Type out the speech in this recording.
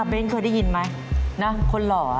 เน้นเคยได้ยินไหมนะคนหล่อ